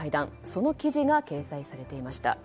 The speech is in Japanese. その記事が掲載されていました。